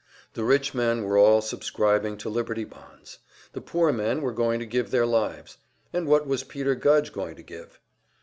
The rich men were all subscribing to liberty bonds; the poor men were going to give their lives; and what was Peter Gudge going to give?